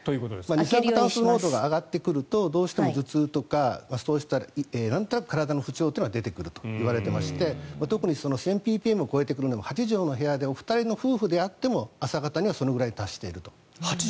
二酸化炭素濃度が上がってくると頭痛とかなんとなく体の不調が出てくるといわれていて１０００ｐｐｍを超えてくるのが８畳の部屋で２人の夫婦であっても朝方にはそれぐらいに達していると。